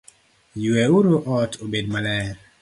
Yue uru ot obed maler